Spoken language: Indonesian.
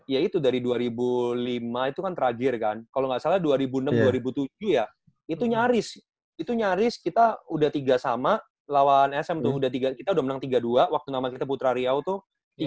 ya itu dari dua ribu lima itu kan terakhir kan kalau nggak salah dua ribu enam dua ribu tujuh ya itu nyaris itu nyaris kita udah tiga sama lawan sm kita udah menang tiga dua waktu nama kita putra riau tuh tiga